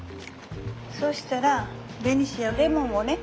そしたらベニシアレモンをね